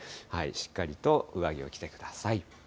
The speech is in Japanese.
しっかりと上着を着てください。